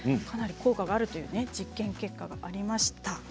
かなり効果があるという実験結果が出ています。